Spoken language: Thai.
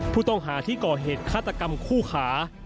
ผู้ต้องหาที่ก่อเหตุฆาตกรรมคู่ขา